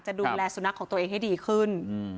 ดูแลสุนัขของตัวเองให้ดีขึ้น